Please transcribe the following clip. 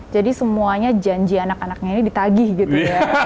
jadi semuanya janji anak anaknya ini ditagih gitu ya